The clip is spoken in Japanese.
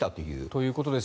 ということです